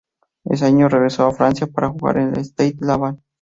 En ese año regresó a Francia para jugar en el Stade Laval.